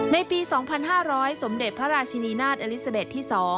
ในปี๒๕๐๐สมเด็จพระราชินีนาฏอลิซาเบสที่๒